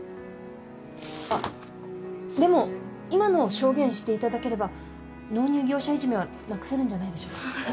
あっでも今のを証言していただければ納入業者いじめはなくせるんじゃないでしょうか？